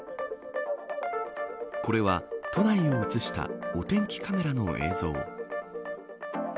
これは、都内を映したお天気カメラの映像。